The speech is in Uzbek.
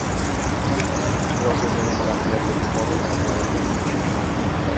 Ikkinchi xulosa esa yana-da ahamiyatli: yuqorida taʼkidlanganidek